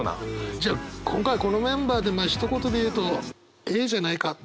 じゃあ今回このメンバーでまあひと言で言うと「ええじゃないか」でいいか。